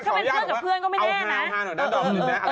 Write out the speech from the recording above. ถ้าเป็นเพื่อนกับเพื่อนก็ไม่แน่นะ